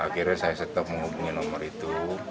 akhirnya saya setelah menghubungkan nomor itu